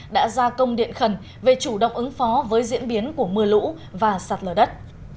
đã ra công điện khẩn về chủ động ứng phó với diễn biến của mưa lũ và sạt lở đất